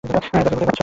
তাকে কোথায় পেয়েছ?